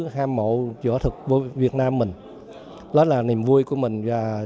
tham mộ võ thực việt nam mình đó là niềm vui của mình